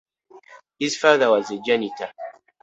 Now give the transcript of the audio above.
His father was a janitor.